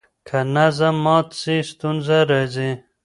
که نظم مات سي ستونزه راځي.